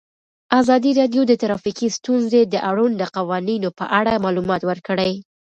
ازادي راډیو د ټرافیکي ستونزې د اړونده قوانینو په اړه معلومات ورکړي.